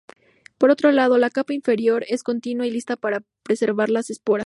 Por otro lado, la capa interior es continua y lisa para preservar las esporas.